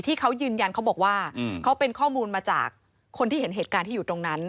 ที่เขายืนยันเขาบอกว่าเขาเป็นข้อมูลมาจากคนที่เห็นเหตุการณ์ที่อยู่ตรงนั้น